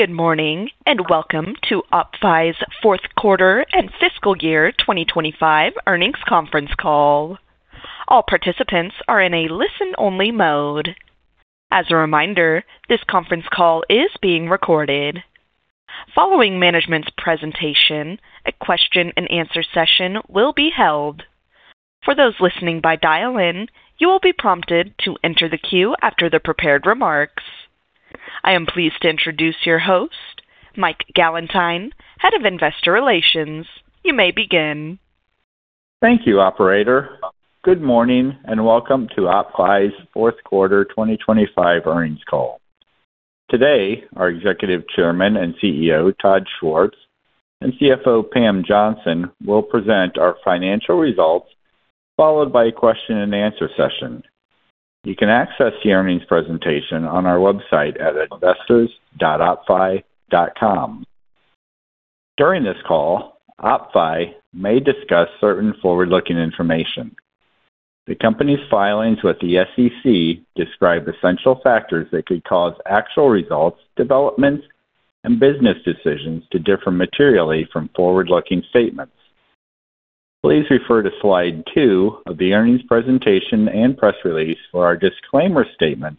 Good morning, and welcome to OppFi's Q4 and fiscal year 2025 earnings conference call. All participants are in a listen-only mode. As a reminder, this conference call is being recorded. Following management's presentation, a question-and-answer session will be held. For those listening by dial-in, you will be prompted to enter the queue after the prepared remarks. I am pleased to introduce your host, Mike Gallentine, Head of Investor Relations. You may begin. Thank you, operator. Good morning, and welcome to OppFi's Q4 2025 earnings call. Today, our Executive Chairman and CEO, Todd Schwartz, and CFO, Pam Johnson, will present our financial results, followed by a question-and-answer session. You can access the earnings presentation on our website at investors.oppfi.com. During this call, OppFi may discuss certain forward-looking information. The company's filings with the SEC describe essential factors that could cause actual results, developments, and business decisions to differ materially from forward-looking statements. Please refer to slide 2 of the earnings presentation and press release for our disclaimer statement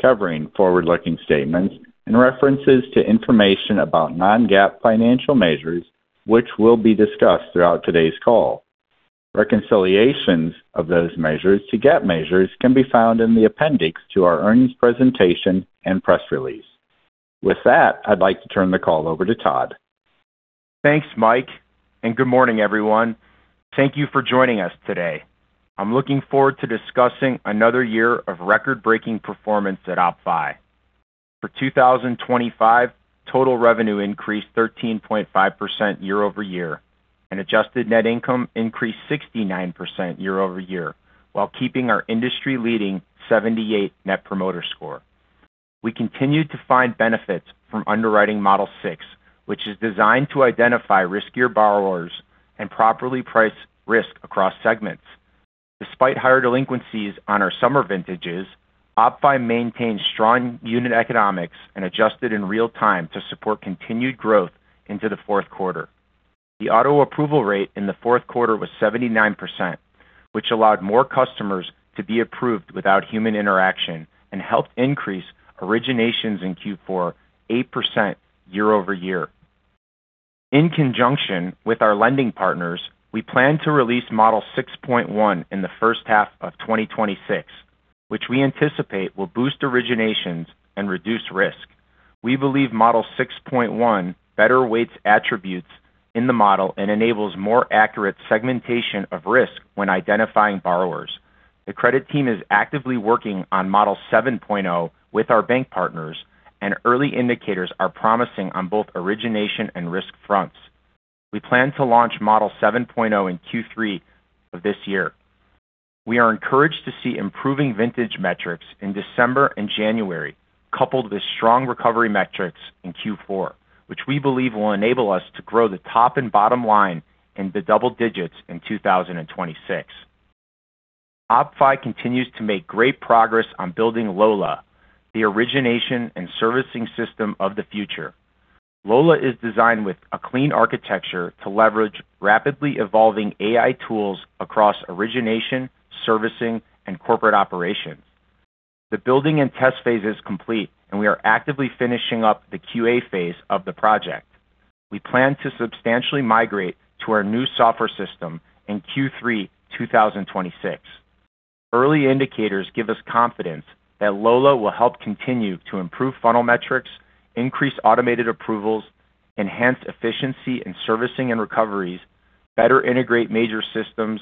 covering forward-looking statements and references to information about non-GAAP financial measures which will be discussed throughout today's call. Reconciliations of those measures to GAAP measures can be found in the appendix to our earnings presentation and press release. With that, I'd like to turn the call over to Todd. Thanks, Mike, and good morning, everyone. Thank you for joining us today. I'm looking forward to discussing another year of record-breaking performance at OppFi. For 2025, total revenue increased 13.5% year-over-year, and adjusted net income increased 69% year-over-year while keeping our industry-leading 78 Net Promoter Score. We continued to find benefits from underwriting Model 6, which is designed to identify riskier borrowers and properly price risk across segments. Despite higher delinquencies on our summer vintages, OppFi maintained strong unit economics and adjusted in real time to support continued growth into the Q4. The auto-approval rate in th was 79%, which allowed more customers to be approved without human interaction and helped increase originations in Q4 8% year-over-year. In conjunction with our lending partners, we plan to release Model 6.1 in the first half of 2026, which we anticipate will boost originations and reduce risk. We believe Model 6.1 better weights attributes in the model and enables more accurate segmentation of risk when identifying borrowers. The credit team is actively working on Model 7.0 with our bank partners, and early indicators are promising on both origination and risk fronts. We plan to launch Model 7.0 in Q3 of this year. We are encouraged to see improving vintage metrics in December and January, coupled with strong recovery metrics in Q4, which we believe will enable us to grow the top and bottom line in the double digits in 2026. OppFi continues to make great progress on building Lola, the origination and servicing system of the future. Lola is designed with a clean architecture to leverage rapidly evolving AI tools across origination, servicing, and corporate operations. The building and test phase is complete, and we are actively finishing up the QA phase of the project. We plan to substantially migrate to our new software system in Q3 2026. Early indicators give us confidence that Lola will help continue to improve funnel metrics, increase automated approvals, enhance efficiency in servicing and recoveries, better integrate major systems,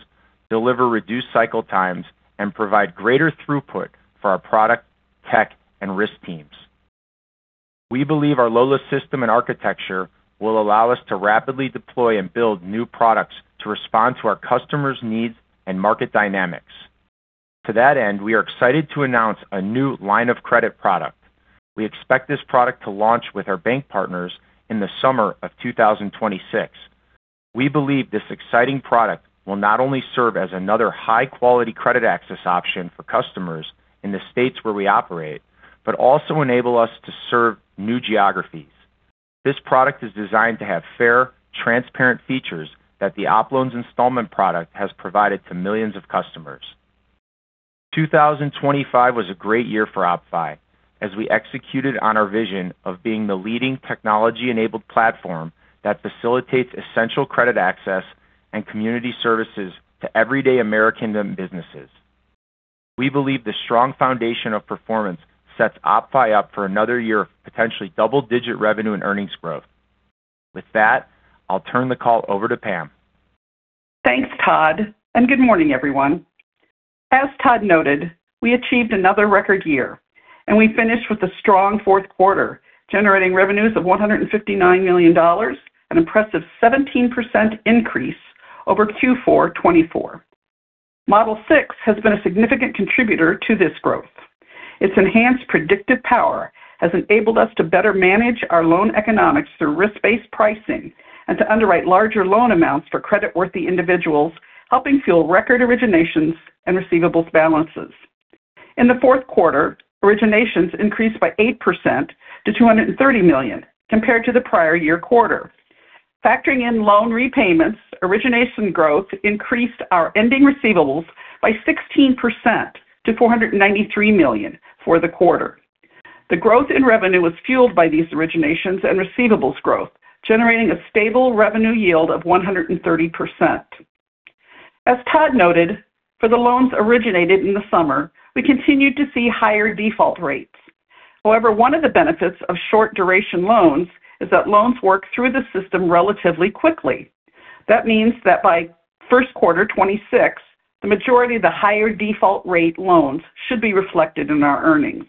deliver reduced cycle times, and provide greater throughput for our product, tech, and risk teams. We believe our Lola system and architecture will allow us to rapidly deploy and build new products to respond to our customers' needs and market dynamics. To that end, we are excited to announce a new line of credit product. We expect this product to launch with our bank partners in the summer of 2026. We believe this exciting product will not only serve as another high-quality credit access option for customers in the states where we operate, but also enable us to serve new geographies. This product is designed to have fair, transparent features that the OppLoans installment product has provided to millions of customers. 2025 was a great year for OppFi as we executed on our vision of being the leading technology-enabled platform that facilitates essential credit access and community services to everyday American-owned businesses. We believe the strong foundation of performance sets OppFi up for another year of potentially double-digit revenue and earnings growth. With that, I'll turn the call over to Pam. Thanks, Todd, and good morning, everyone. As Todd noted, we achieved another record year, and we finished with a strong Q4, generating revenues of $159 million, an impressive 17% increase over Q4 2024. Model 6 has been a significant contributor to this growth. Its enhanced predictive power has enabled us to better manage our loan economics through risk-based pricing and to underwrite larger loan amounts for creditworthy individuals, helping fuel record originations and receivables balances. In the Q4, originations increased by 8% to $230 million compared to the prior year quarter. Factoring in loan repayments, origination growth increased our ending receivables by 16% to $493 million for the quarter. The growth in revenue was fueled by these originations and receivables growth, generating a stable revenue yield of 130%. As Todd noted, for the loans originated in the summer, we continued to see higher default rates. However, one of the benefits of short duration loans is that loans work through the system relatively quickly. That means that by Q1 2026, the majority of the higher default rate loans should be reflected in our earnings.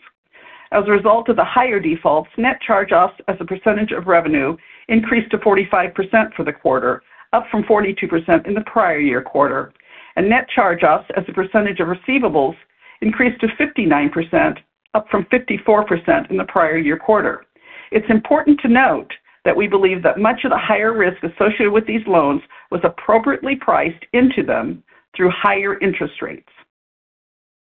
As a result of the higher defaults, net charge-offs as a percentage of revenue increased to 45% for the quarter, up from 42% in the prior year quarter. Net charge-offs as a percentage of receivables increased to 59%, up from 54% in the prior year quarter. It's important to note that we believe that much of the higher risk associated with these loans was appropriately priced into them through higher interest rates.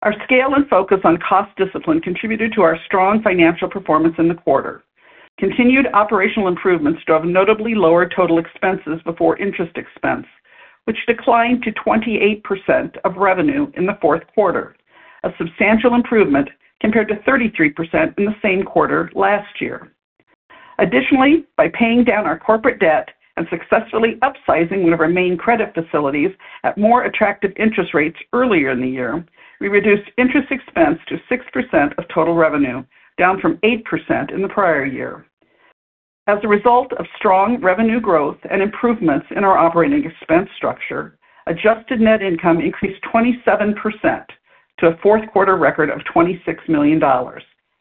Our scale and focus on cost discipline contributed to our strong financial performance in the quarter. Continued operational improvements drove notably lower total expenses before interest expense, which declined to 28% of revenue in the Q4. A substantial improvement compared to 33% in the same quarter last year. Additionally, by paying down our corporate debt and successfully upsizing one of our main credit facilities at more attractive interest rates earlier in the year, we reduced interest expense to 6% of total revenue, down from 8% in the prior year. As a result of strong revenue growth and improvements in our operating expense structure, adjusted net income increased 27% to a Q4 record of $26 million,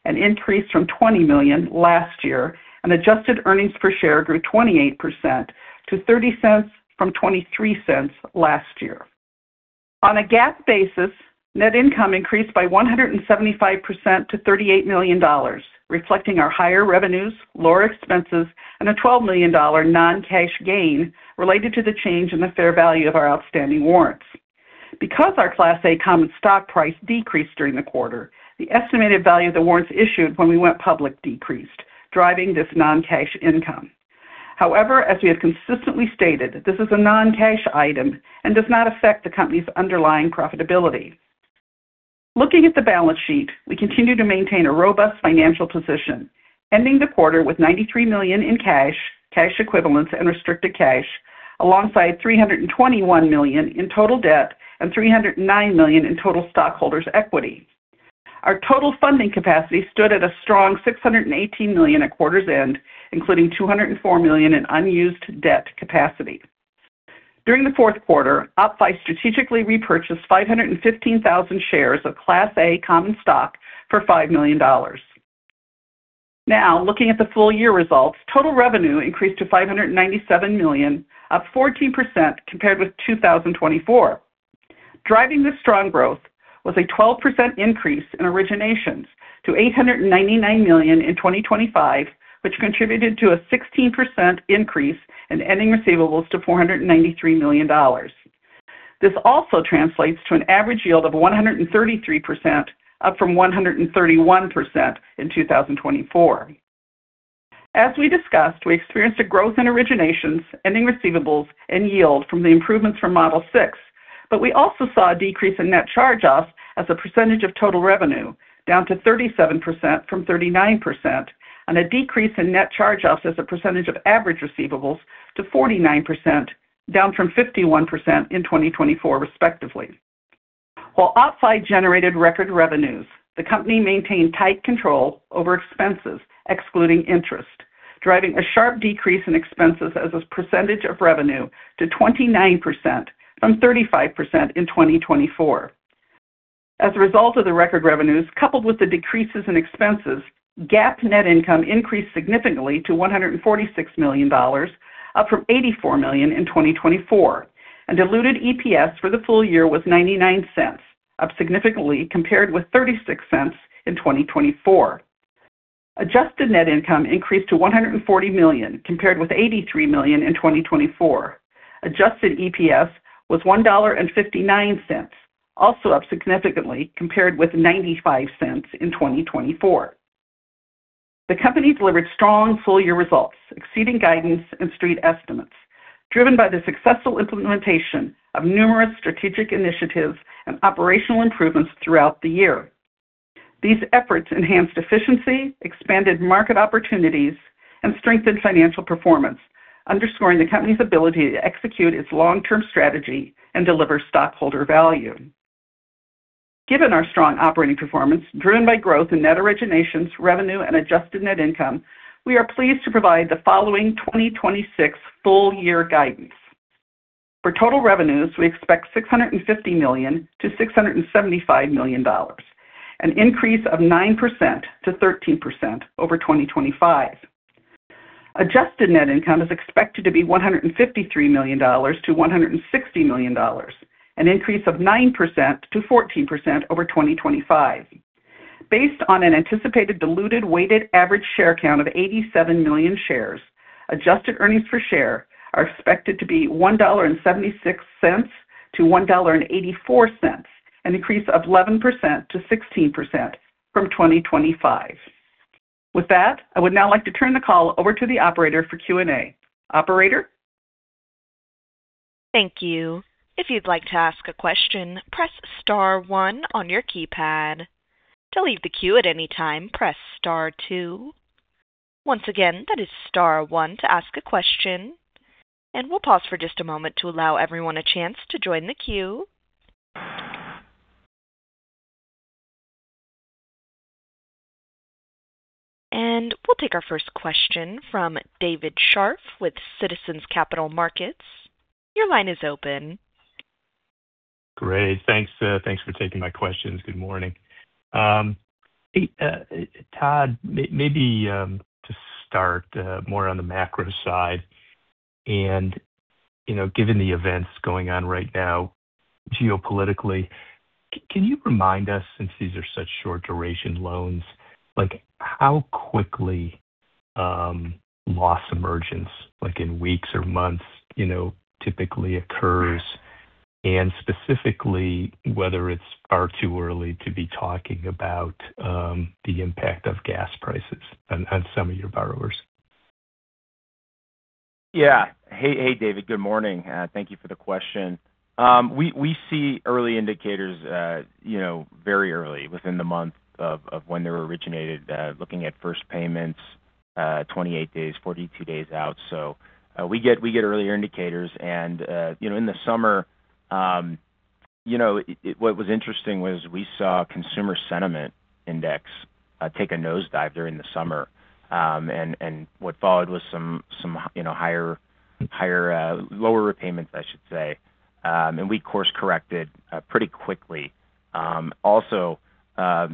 an increase from $20 million last year. Adjusted earnings per share grew 28% to $0.30 from $0.23 last year. On a GAAP basis, net income increased by 175% to $38 million, reflecting our higher revenues, lower expenses, and a $12 million non-cash gain related to the change in the fair value of our outstanding warrants. Because our Class A common stock price decreased during the quarter, the estimated value of the warrants issued when we went public decreased, driving this non-cash income. However, as we have consistently stated, this is a non-cash item and does not affect the company's underlying profitability. Looking at the balance sheet, we continue to maintain a robust financial position, ending the quarter with $93 million in cash equivalents and restricted cash, alongside $321 million in total debt and $309 million in total stockholders' equity. Our total funding capacity stood at a strong $618 million at quarter's end, including $204 million in unused debt capacity. During the Q4, OppFi strategically repurchased 515,000 shares of Class A common stock for $5 million. Now looking at the full year results, total revenue increased to $597 million, up 14% compared with 2024. Driving this strong growth was a 12% increase in originations to $899 million in 2025, which contributed to a 16% increase in ending receivables to $493 million. This also translates to an average yield of 133%, up from 131% in 2024. As we discussed, we experienced a growth in originations, ending receivables and yield from the improvements from Model 6. We also saw a decrease in net charge-offs as a percentage of total revenue, down to 37% from 39%, and a decrease in net charge-offs as a percentage of average receivables to 49%, down from 51% in 2024, respectively. While OppFi generated record revenues, the company maintained tight control over expenses excluding interest, driving a sharp decrease in expenses as a percentage of revenue to 29% from 35% in 2024. As a result of the record revenues coupled with the decreases in expenses, GAAP net income increased significantly to $146 million, up from $84 million in 2024. Diluted EPS for the full year was $0.99, up significantly compared with $0.36 in 2024. Adjusted net income increased to $140 million, compared with $83 million in 2024. Adjusted EPS was $1.59, also up significantly compared with $0.95 in 2024. The company delivered strong full-year results, exceeding guidance and Street estimates, driven by the successful implementation of numerous strategic initiatives and operational improvements throughout the year. These efforts enhanced efficiency, expanded market opportunities, and strengthened financial performance, underscoring the company's ability to execute its long-term strategy and deliver stockholder value. Given our strong operating performance driven by growth in net originations, revenue, and adjusted net income, we are pleased to provide the following 2026 full-year guidance. For total revenues, we expect $650 million-$675 million, an increase of 9%-13% over 2025. Adjusted net income is expected to be $153 million-$160 million, an increase of 9%-14% over 2025. Based on an anticipated diluted weighted average share count of 87 million shares, adjusted earnings per share are expected to be $1.76-$1.84, an increase of 11%-16% from 2025. With that, I would now like to turn the call over to the operator for Q&A. Operator? Thank you. If you'd like to ask a question, press star one on your keypad. To leave the queue at any time, press star two. Once again, that is star one to ask a question. We'll pause for just a moment to allow everyone a chance to join the queue. We'll take our first question from David Scharf with JMP Securities. Your line is open. Great. Thanks for taking my questions. Good morning. Hey, Todd, maybe to start, more on the macro side and, you know, given the events going on right now geopolitically, can you remind us, since these are such short-duration loans, like how quickly loss emergence, like in weeks or months, you know, typically occurs? Specifically, whether it's far too early to be talking about the impact of gas prices on some of your borrowers. Yeah. Hey, David. Good morning. Thank you for the question. We see early indicators, you know, very early within the month of when they're originated, looking at first payments, 28 days, 42 days out. We get earlier indicators. You know, in the summer, what was interesting was we saw Consumer Sentiment Index take a nosedive during the summer. What followed was some lower repayments, I should say. We course-corrected pretty quickly. Also,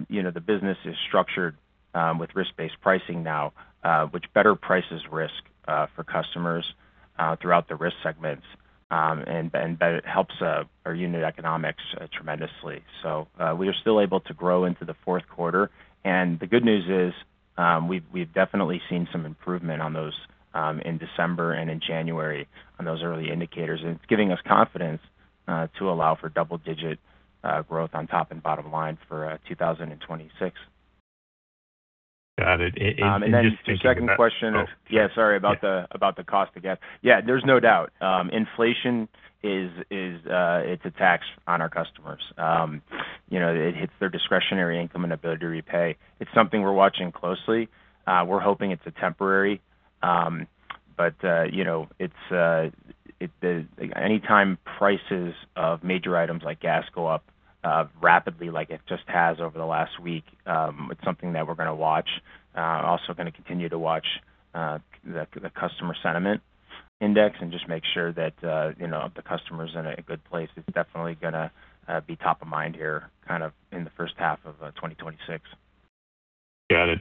you know, the business is structured with risk-based pricing now, which better prices risk for customers throughout the risk segments. That helps our unit economics tremendously. We are still able to grow into the Q4. The good news is, we've definitely seen some improvement on those in December and in January on those early indicators. It's giving us confidence to allow for double-digit growth on top and bottom line for 2026. Got it. Just thinking about. The second question. Oh. Yeah, sorry. Yeah. About the cost of gas. Yeah, there's no doubt, inflation is a tax on our customers. You know, it hits their discretionary income and ability to repay. It's something we're watching closely. We're hoping it's temporary. But you know, it's anytime prices of major items like gas go up rapidly like it just has over the last week, it's something that we're gonna watch. Also gonna continue to watch the Consumer Sentiment Index and just make sure that you know, the customer is in a good place. It's definitely gonna be top of mind here kind of in the first half of 2026. Got it.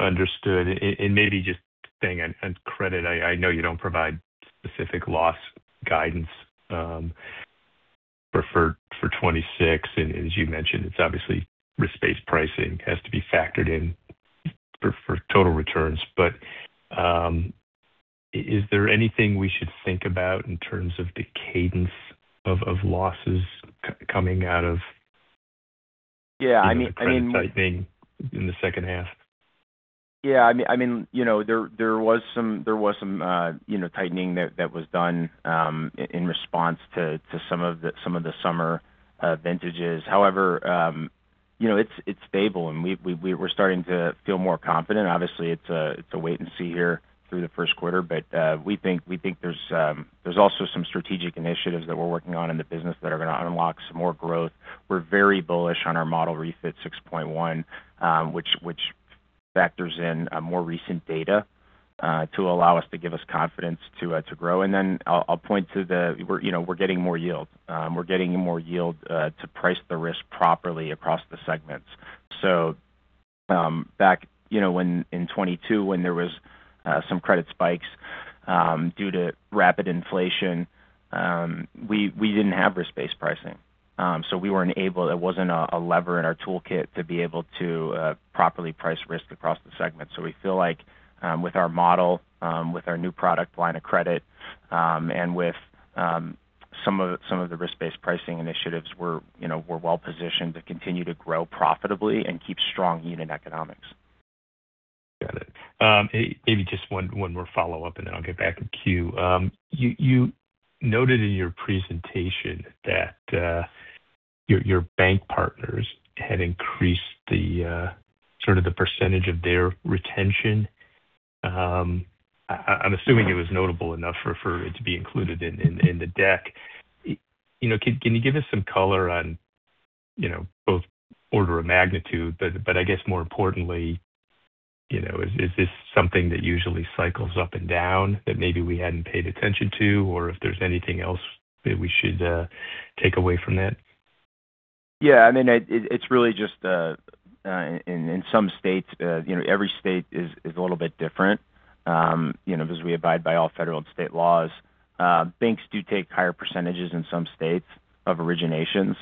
Understood. Maybe just staying on credit, I know you don't provide specific loss guidance for 2026. As you mentioned, it's obviously risk-based pricing has to be factored in for total returns. Is there anything we should think about in terms of the cadence of losses coming out of- Yeah, I mean. The credit tightening in the second half? Yeah, I mean, you know, there was some tightening that was done in response to some of the summer vintages. However, you know, it's stable, and we're starting to feel more confident. Obviously, it's a wait and see here through the Q1. We think there's also some strategic initiatives that we're working on in the business that are going to unlock some more growth. We're very bullish on our Model 6.1, which factors in more recent data to allow us to give confidence to grow. Then I'll point to. We're, you know, getting more yield. We're getting more yield to price the risk properly across the segments. Back in 2022, when there was some credit spikes due to rapid inflation, we didn't have risk-based pricing. It wasn't a lever in our toolkit to be able to properly price risk across the segment. We feel like with our model, with our new product line of credit, and with some of the risk-based pricing initiatives, you know, we're well positioned to continue to grow profitably and keep strong unit economics. Got it. Maybe just one more follow-up, and then I'll get back in queue. You noted in your presentation that your bank partners had increased the sort of the percentage of their retention. I'm assuming it was notable enough for it to be included in the deck. You know, can you give us some color on, you know, both order of magnitude, but I guess more importantly, you know, is this something that usually cycles up and down that maybe we hadn't paid attention to? Or if there's anything else that we should take away from that? Yeah, I mean, it's really just in some states, you know, every state is a little bit different, you know, because we abide by all federal and state laws. Banks do take higher percentages in some states of originations.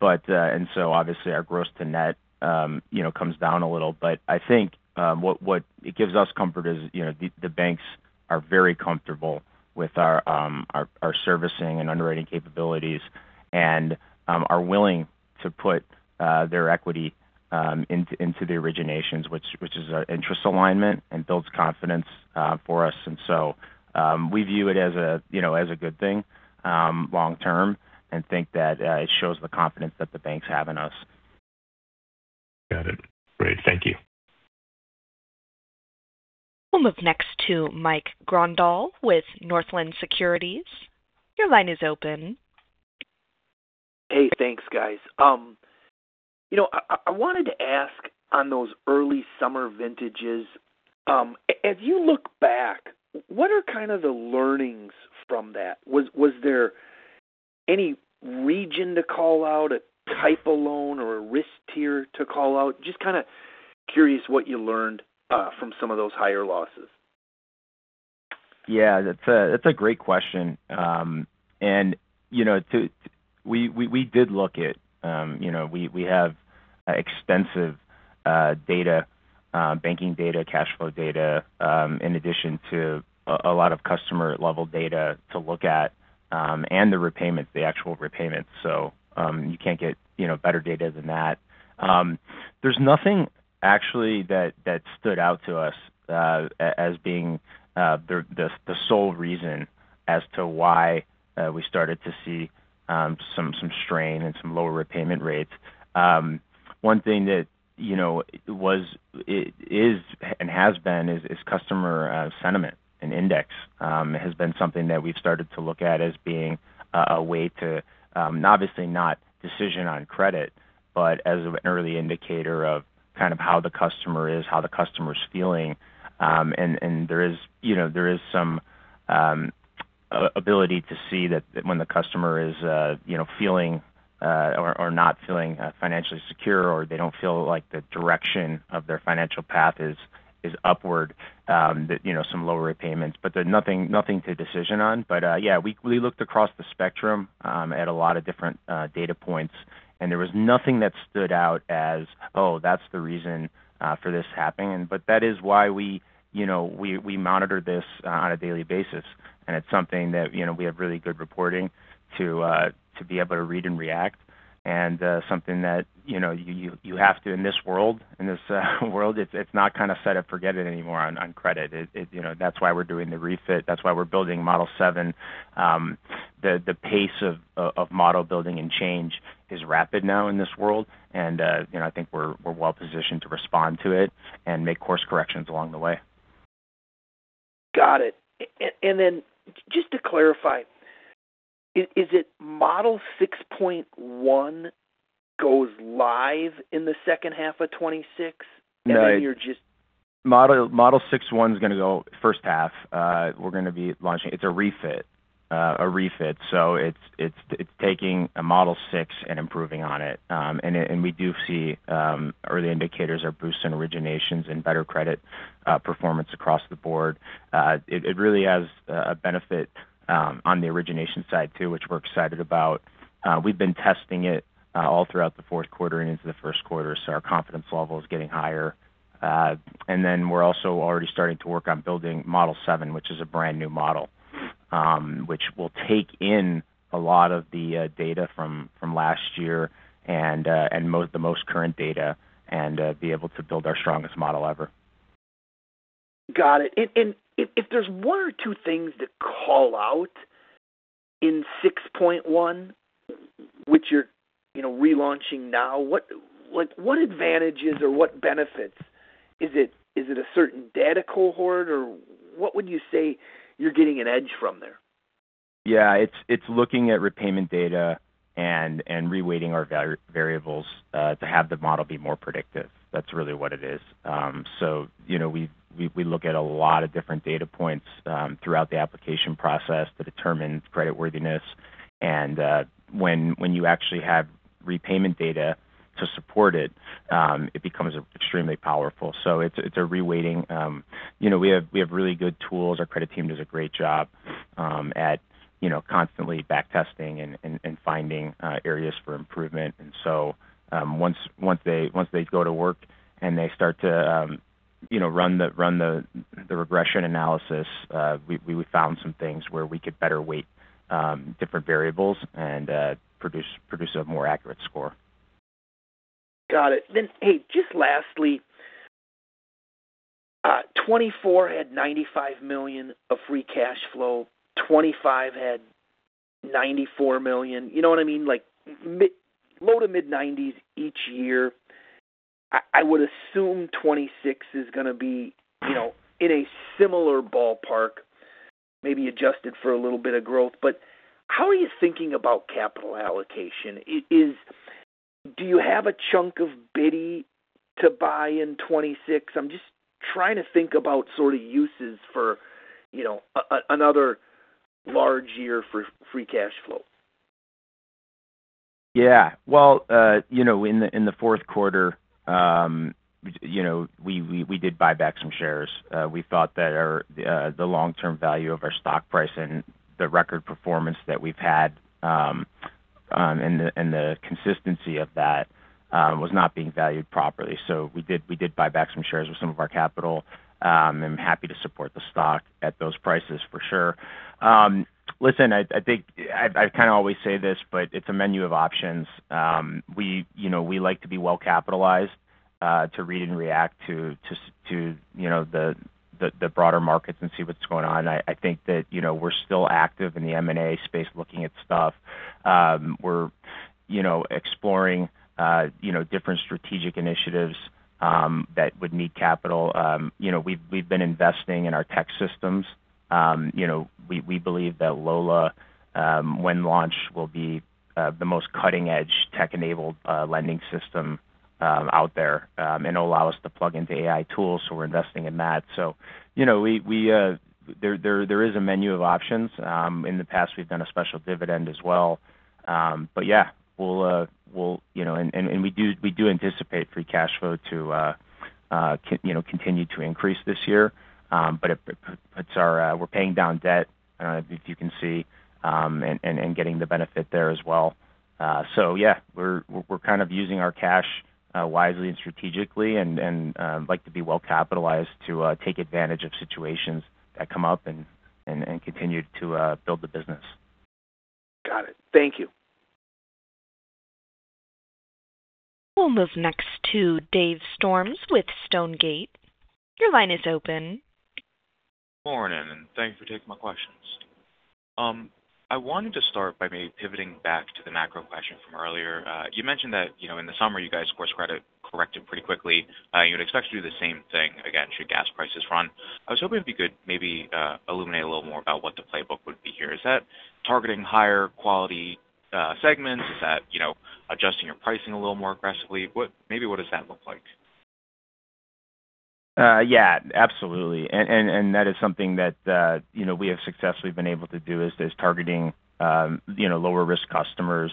Obviously our gross to net, you know, comes down a little. I think what it gives us comfort is, you know, the banks are very comfortable with our servicing and underwriting capabilities and are willing to put their equity into the originations, which is our interest alignment and builds confidence for us. We view it as a, you know, as a good thing long term and think that it shows the confidence that the banks have in us. Got it. Great. Thank you. We'll move next to Mike Grondahl with Northland Securities. Your line is open. Hey, thanks, guys. You know, I wanted to ask on those early summer vintages, as you look back, what are kind of the learnings from that? Was there any reason to call out, a type of loan or a risk tier to call out? Just kind of curious what you learned from some of those higher losses. Yeah. That's a great question. You know, we did look at, you know, we have extensive data, banking data, cash flow data, in addition to a lot of customer level data to look at, and the repayments, the actual repayments. You can't get you know better data than that. There's nothing actually that stood out to us, as being the sole reason as to why we started to see some strain and some lower repayment rates. One thing that, you know, was, is, and has been is Consumer Sentiment Index has been something that we've started to look at as being a way to obviously not decision on credit, but as an early indicator of kind of how the customer is, how the customer's feeling. There is, you know, there is some ability to see that when the customer is, you know, feeling or not feeling financially secure or they don't feel like the direction of their financial path is upward, that, you know, some lower repayments. But they're nothing to decision on. Yeah, we looked across the spectrum at a lot of different data points, and there was nothing that stood out as, oh, that's the reason for this happening. That is why we, you know, we monitor this on a daily basis, and it's something that, you know, we have really good reporting to be able to read and react and something that, you know, you have to in this world. In this world, it's not kind of set it, forget it anymore on credit. You know, that's why we're doing the refit. That's why we're building Model seven. The pace of model building and change is rapid now in this world. You know, I think we're well positioned to respond to it and make course corrections along the way. Got it. Then just to clarify, is it Model 6 point one goes live in the second half of 2026? No. You're just. Model 6.1 is gonna go first half. We're gonna be launching. It's a refit. It's taking a Model 6 and improving on it. We do see early indicators are boosts in originations and better credit performance across the board. It really has a benefit on the origination side too, which we're excited about. We've been testing it all throughout the Q4 and into the Q1, so our confidence level is getting higher. We're also already starting to work on building Model 7, which is a brand new model, which will take in a lot of the data from last year and the most current data and be able to build our strongest model ever. Got it. If there's one or two things to call out in 6.1, which you're, you know, relaunching now, what advantages or what benefits? Is it a certain data cohort or what would you say you're getting an edge from there? Yeah. It's looking at repayment data and reweighting our variables to have the model be more predictive. That's really what it is. You know, we look at a lot of different data points throughout the application process to determine creditworthiness. When you actually have repayment data to support it becomes extremely powerful. It's a reweighting. You know, we have really good tools. Our credit team does a great job, you know, at constantly backtesting and finding areas for improvement. Once they go to work and they start to, you know, run the regression analysis, we found some things where we could better weight different variables and produce a more accurate score. Got it. Hey, just lastly, 2024 had $95 million of free cash flow. 2025 had $94 million. You know what I mean? Like, low- to mid-90s million each year. I would assume 2026 is gonna be, you know, in a similar ballpark, maybe adjusted for a little bit of growth. But how are you thinking about capital allocation? Do you have a chunk of Bitty to buy in 2026? I'm just trying to think about sort of uses for, you know, another large year for free cash flow. Yeah. Well, you know, in the Q4, you know, we did buy back some shares. We thought that the long-term value of our stock price and the record performance that we've had, and the consistency of that was not being valued properly. We did buy back some shares with some of our capital. I'm happy to support the stock at those prices for sure. Listen, I think I kind of always say this, but it's a menu of options. We, you know, we like to be well capitalized to read and react to you know, the broader markets and see what's going on. I think that, you know, we're still active in the M&A space looking at stuff. We're, you know, exploring, you know, different strategic initiatives that would need capital. You know, we've been investing in our tech systems. You know, we believe that Lola, when launched, will be the most cutting-edge tech-enabled lending system out there, and it'll allow us to plug into AI tools, so we're investing in that. You know, there is a menu of options. In the past, we've done a special dividend as well. Yeah, we'll, you know. We do anticipate free cash flow to continue to increase this year. It puts our. We're paying down debt, if you can see, and getting the benefit there as well. Yeah, we're kind of using our cash wisely and strategically and like to be well capitalized to take advantage of situations that come up and continue to build the business. Got it. Thank you. We'll move next to Dave Storms with Stonegate. Your line is open. Morning, and thank you for taking my questions. I wanted to start by maybe pivoting back to the macro question from earlier. You mentioned that, you know, in the summer you guys course-corrected pretty quickly, you would expect to do the same thing again should gas prices run. I was hoping if you could maybe illuminate a little more about what the playbook would be here. Is that targeting higher quality segments? Is that, you know, adjusting your pricing a little more aggressively? Maybe what does that look like? Yeah, absolutely. That is something that, you know, we have successfully been able to do, is this targeting, you know, lower risk customers,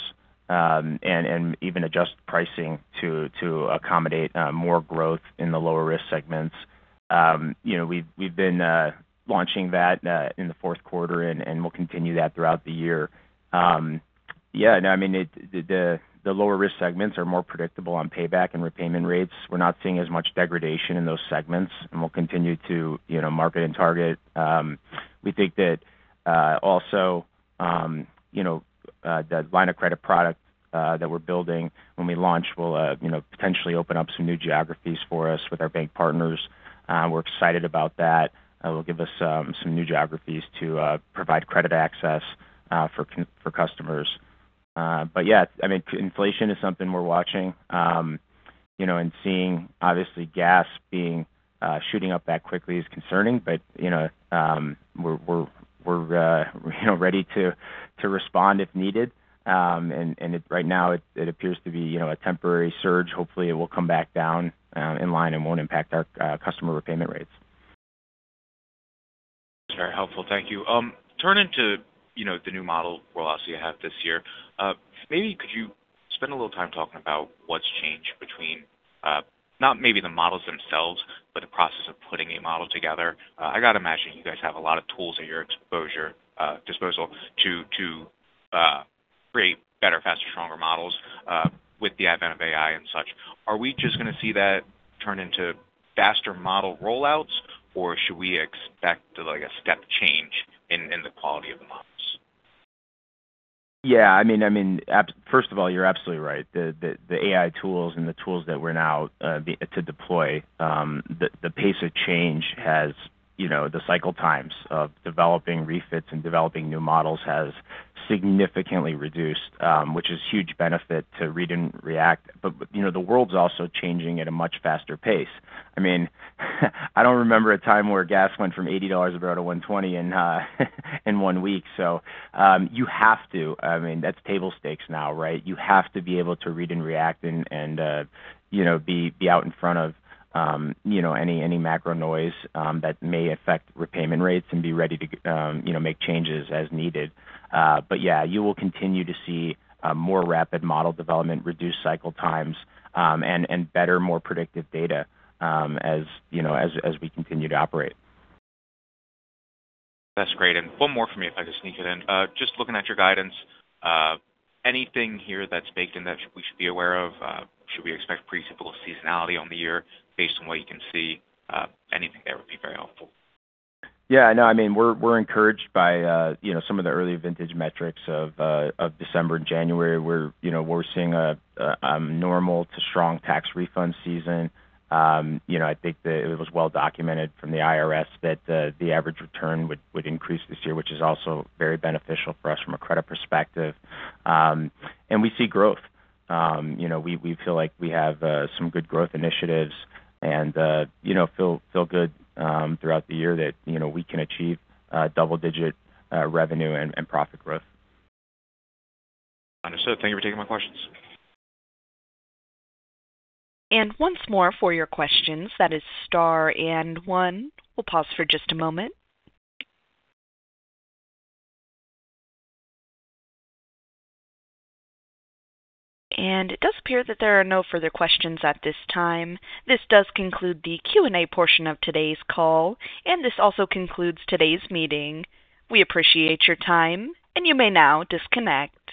and even adjust pricing to accommodate more growth in the lower risk segments. You know, we've been launching that in the Q4 and we'll continue that throughout the year. The lower risk segments are more predictable on payback and repayment rates. We're not seeing as much degradation in those segments, and we'll continue to, you know, market and target. We think that also, you know, the line of credit product that we're building when we launch will, you know, potentially open up some new geographies for us with our bank partners. We're excited about that. Will give us some new geographies to provide credit access for customers. Yeah, I mean, inflation is something we're watching, you know, and seeing obviously gas being shooting up that quickly is concerning. You know, we're ready to respond if needed. Right now it appears to be, you know, a temporary surge. Hopefully it will come back down in line and won't impact our customer repayment rates. That's very helpful. Thank you. Turning to, you know, the new model we'll obviously have this year. Maybe could you spend a little time talking about what's changed between, not maybe the models themselves, but the process of putting a model together? I gotta imagine you guys have a lot of tools at your disposal to create better, faster, stronger models with the advent of AI and such. Are we just gonna see that turn into faster model rollouts or should we expect like a step change in the quality of the models? Yeah, I mean, first of all, you're absolutely right. The AI tools and the tools that we're now about to deploy, the pace of change has, you know, the cycle times of developing refits and developing new models has significantly reduced, which is huge benefit to read and react. You know, the world's also changing at a much faster pace. I mean, I don't remember a time where gas went from $80 a barrel to $120 in one week. You have to. I mean, that's table stakes now, right? You have to be able to read and react and you know, be out in front of you know, any macro noise that may affect repayment rates and be ready to you know, make changes as needed. Yeah, you will continue to see more rapid model development, reduced cycle times, and better, more predictive data, as you know, as we continue to operate. That's great. One more for me, if I just sneak it in. Just looking at your guidance, anything here that's baked in that we should be aware of? Should we expect pretty simple seasonality on the year based on what you can see? Anything there would be very helpful. Yeah, no, I mean, we're encouraged by, you know, some of the early vintage metrics of December and January. We're, you know, seeing a normal to strong tax refund season. You know, I think that it was well documented from the IRS that the average return would increase this year, which is also very beneficial for us from a credit perspective. We see growth. You know, we feel like we have some good growth initiatives and, you know, feel good throughout the year that, you know, we can achieve double digit revenue and profit growth. Understood. Thank you for taking my questions. Once more for your questions, that is star and one. We'll pause for just a moment. It does appear that there are no further questions at this time. This does conclude the Q&A portion of today's call, and this also concludes today's meeting. We appreciate your time, and you may now disconnect.